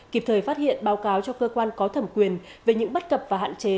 kịp thời phát hiện báo cáo cho cơ quan có thẩm quyền về những bất cập và hạn chế